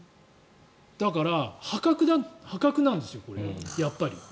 だから、破格なんですよやっぱり。